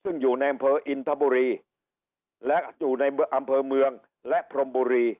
ซึ่งอยู่ในอำเภออินทบุรีและอยู่ในอำเภอเมืองและพรมบุรี